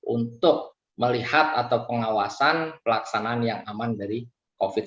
untuk melihat atau pengawasan pelaksanaan yang aman dari covid sembilan belas